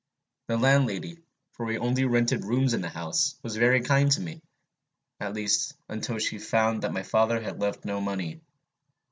The landlady, for we only rented rooms in the house, was very kind to me, at least until she found that my father had left no money.